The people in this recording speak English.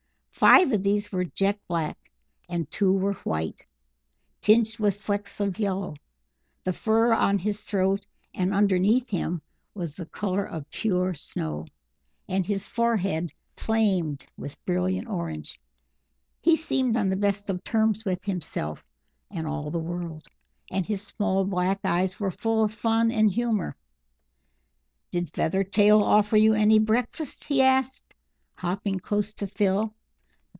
Five of these were jet black, and two were white, tinged with flecks of yellow; the fur on his throat and underneath him was the colour of pure snow, and his forehead flamed with brilliant orange. He seemed on the best of terms with himself and all the world, and his small black eyes were full of fun and humour. "Did Feathertail offer you any breakfast?" he asked, hopping close to Phil.